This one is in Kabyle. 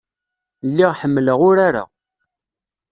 Lliɣ ḥemmleɣ urar-a.